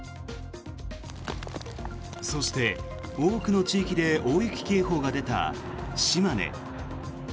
そして、多くの地域で大雪警報が出た島根。